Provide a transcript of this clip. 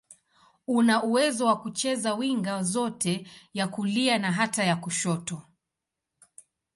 Ana uwezo wa kucheza winga zote, ya kulia na hata ya kushoto.